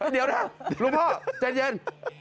เดี๋ยวนะลูกพ่อเจ็ดเย็น